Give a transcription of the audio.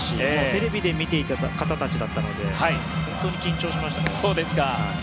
テレビで見ていた方たちだったので本当に緊張しましたね。